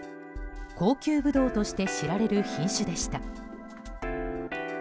高級ブドウとして知られる品種でした。